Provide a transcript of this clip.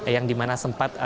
yang dimana sempat